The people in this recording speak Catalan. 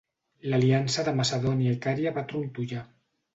L'aliança de Macedònia i Cària va trontollar.